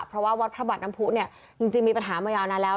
เพราะว่าวัดพระบาทน้ำผู้เนี่ยจริงมีปัญหามายาวนานแล้ว